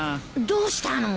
どうしたの？